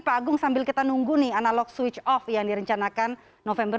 pak agung sambil kita nunggu nih analog switch off yang direncanakan november dua ribu dua puluh dua